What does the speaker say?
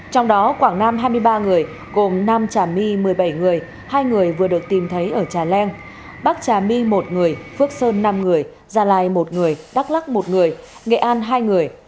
trong đó quảng nam hai mươi ba người gồm nam trà my một mươi bảy người hai người vừa được tìm thấy ở trà leng bắc trà my một người phước sơn năm người gia lai một người đắk lắc một người nghệ an hai người